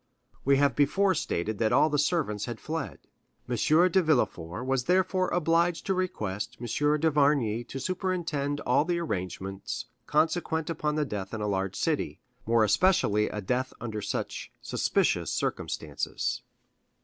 We have before stated that all the servants had fled. M. de Villefort was therefore obliged to request M. d'Avrigny to superintend all the arrangements consequent upon a death in a large city, more especially a death under such suspicious circumstances.